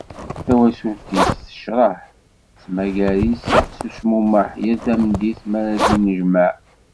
Tawacult-is tecreh, tettmagar-it s ucmumeḥ yal tameddit mi d-yennejmaɛ.